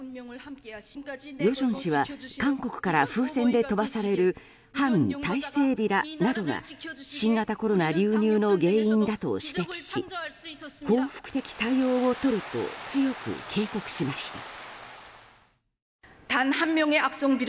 与正氏は韓国から風船で飛ばされる反体制ビラなどが新型コロナ流入の原因だと指摘し報復的対応をとると強く警告しました。